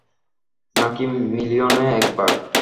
নাকি, মিলিয়নে একবার?